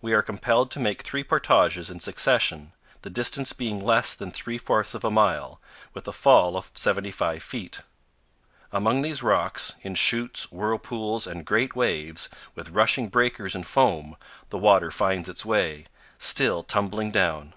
We are compelled to make three portages in succession, the distance being less than three fourths of a mile, with a fall of 75 feet. Among these rocks, in chutes, whirlpools, and great waves, with rushing breakers and foam, the water finds its way, still tumbling down.